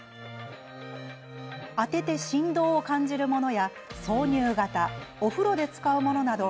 当てて振動を感じるものや挿入型、お風呂で使うものなど